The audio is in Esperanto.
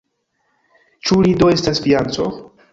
Ĉu li do estas fianĉo?